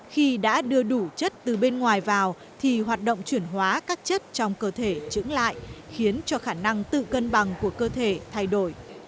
khi đã đưa đủ chất từ bên ngoài vào thì hoạt động chuyển hóa các chất trong cơ thể trứng lại khiến cho khả năng tự cân bằng của cơ thể thay đổi